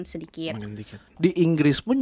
sedikit di inggris pun